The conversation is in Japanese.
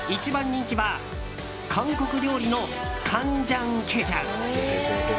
人気は韓国料理のカンジャンケジャン。